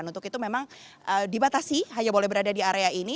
untuk itu memang dibatasi hanya boleh berada di area ini